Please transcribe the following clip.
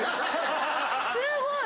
すごい。